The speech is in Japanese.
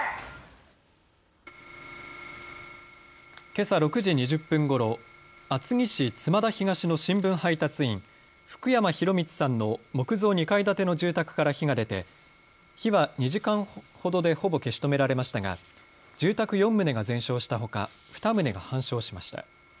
けさ６時２０分ごろ、厚木市妻田東の新聞配達員、福山博允さんの木造２階建ての住宅から火が出て火は２時間ほどでほぼ消し止められましたが住宅４棟が全焼したほか、２棟が半焼しました。